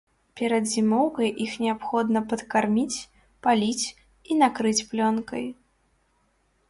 Перад зімоўкай іх неабходна падкарміць, паліць і накрыць плёнкай.